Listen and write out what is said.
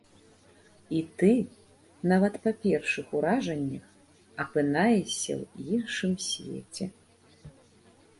І ты, нават па першых уражаннях, апынаешся ў іншым свеце.